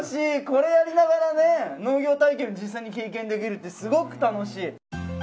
これやりながら農業体験を実際に経験できるのはすごく楽しい。